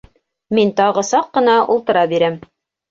Мин тағы саҡ ҡына ултыра бирәм.